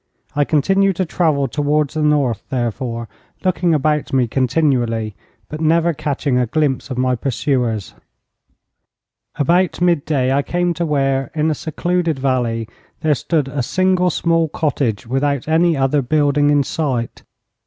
I continued to travel towards the north therefore, looking about me continually, but never catching a glimpse of my pursuers. About midday I came to where, in a secluded valley, there stood a single small cottage without any other building in sight.